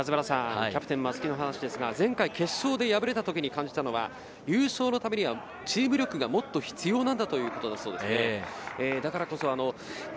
キャプテン・松木の話ですが、前回決勝で敗れた時に感じたのは優勝のためにはチーム力がもっと必要なんだということだそうです。